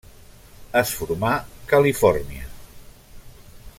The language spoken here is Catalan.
Es formà Califòrnia.